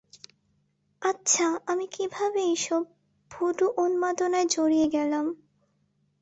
আচ্ছা, আমি কীভাবে এইসব ভুডু উন্মাদনায় জড়িয়ে গেলাম?